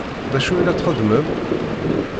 D acu i la txeddmem?